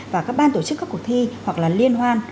và các ban tổ chức các cuộc thi hoặc là liên hoan